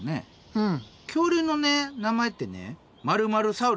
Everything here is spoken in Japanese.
うん。